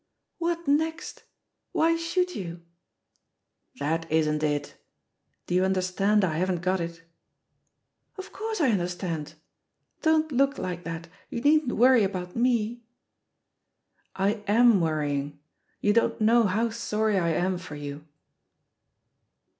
"What next? Why should you?" "That isn't it. Do you understand I haven't got it?" "Of course I understand! Don't look like that; you needn't worry about me "I am worrying. You don't know how sorry I am for you."